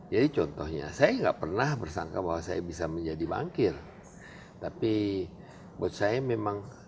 jadi contohnya saya gak pernah bersangka bahwa saya bisa menjadi bankir tapi buat saya memang